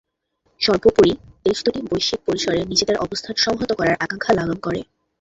সর্বোপরি, দেশ দুটি বৈশ্বিক পরিসরে নিজেদের অবস্থান সংহত করার আকাঙ্ক্ষা লালন করে।